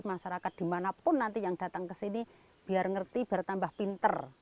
masyarakat dimanapun nanti yang datang ke sini biar ngerti bertambah pinter